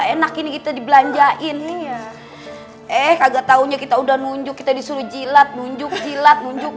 enak ini kita dibelanjain eh kagak taunya kita udah muncul kita disuruh jilat muncul jilat muncul